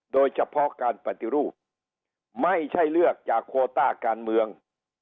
โดยเฉพาะการปฏิรูปไม่ใช่เลือกจากโคต้าการเมือง